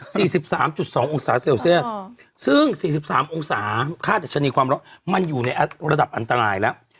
สิบสามจุดสององศาเซลเซียสซึ่งสี่สิบสามองศาค่าดัชนีความร้อนมันอยู่ในระดับอันตรายแล้ว